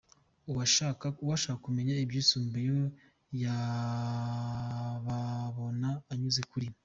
Uwashaka kumenya ibyisumbuyeho yababona anyuze kuri:.